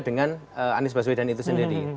dengan anies baswedan itu sendiri